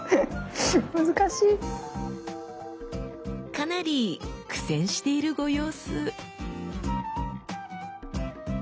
かなり苦戦しているご様子。